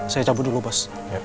saya cabut dulu bos